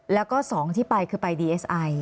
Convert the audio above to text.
แล้วก็สองที่ไปคือไปดีเอสไอ